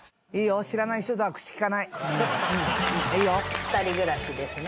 ２人暮らしですね。